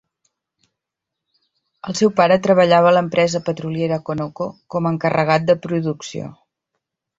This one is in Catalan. El seu pare treballava a l'empresa petroliera Conoco com a encarregat de producció.